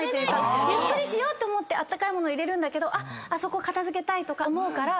ゆっくりしようって思ってあったかい物入れるけどあそこ片付けたいとか思うから。